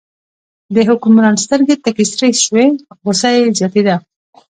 د حکمران سترګې تکې سرې شوې، غوسه یې زیاتېده.